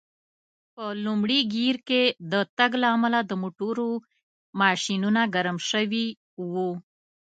په لومړي ګېر کې د تګ له امله د موټرو ماشینونه ګرم شوي و.